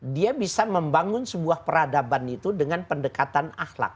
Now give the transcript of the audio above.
dia bisa membangun sebuah peradaban itu dengan pendekatan akhlak